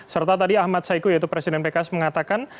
serta tadi ahmad saiku yaitu presiden pks mengatakan